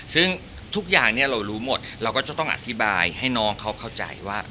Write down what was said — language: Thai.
ซึ่งทุกอย่างเรารู้หมดเราก็จะต้องอธิบายให้น้องเขาเข้าใจว่า